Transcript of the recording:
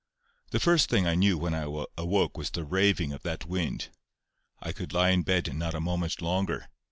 The first thing I knew when I awoke was the raving of that wind. I could lie in bed not a moment longer.